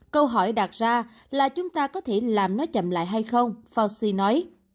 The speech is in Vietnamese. câu hỏi đặt ra là chúng ta có thể làm nó chậm lại hay không fauci nói